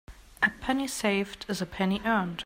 A penny saved is a penny earned.